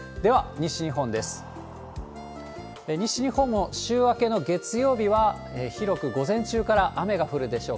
西日本も週明けの月曜日は、広く午前中から雨が降るでしょう。